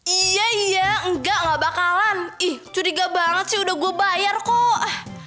iya iya enggak enggak bakalan ih curiga banget sih udah gue bayar kok